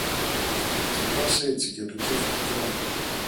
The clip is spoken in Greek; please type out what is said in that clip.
Και πας έτσι, για το κέφι του Κράτους